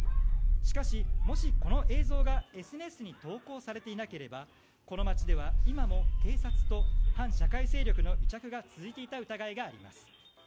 しかし、もしこの映像がＳＮＳに投稿されていなければこの街では今も警察と反社会勢力の癒着が続いていた疑いがあります。